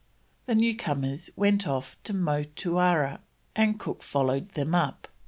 The newcomers went off to Motuara, and Cook followed them up.